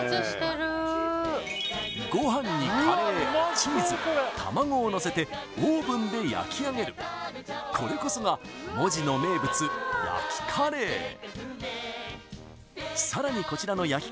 ごはんにカレーチーズ卵をのせてオーブンで焼き上げるこれこそが門司の名物焼きカレーさらにこちらの焼きカレーには